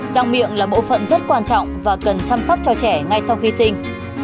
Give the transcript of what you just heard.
răng miệng là bộ phận rất quan trọng và cần chăm sóc cho trẻ ngay sau khi sinh